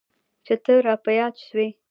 چي ته را په ياد سوې.